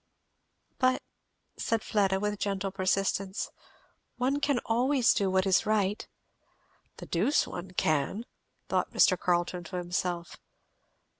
"But," said Fleda with gentle persistence, "one can always do what is right." The deuce one can! thought Mr, Carleton to himself.